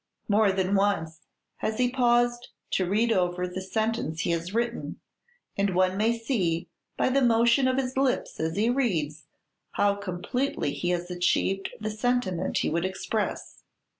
More than once has he paused to read over the sentence he has written, and one may see, by the motion of his lips as he reads, how completely he has achieved the sentiment he would express.